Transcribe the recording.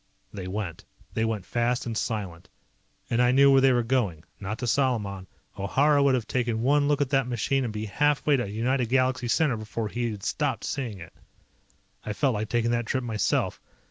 They went. They went fast and silent. And I knew where they were going. Not to Salaman. O'Hara would have taken one look at that machine and be half way to United Galaxy Center before he had stopped seeing it. I felt like taking that trip myself.